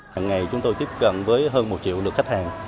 hằng ngày chúng tôi tiếp cận với hơn một triệu lượt khách hàng